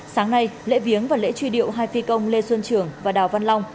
sáng nay lễ viếng và lễ truy điệu hai phi công lê xuân trường và đào văn long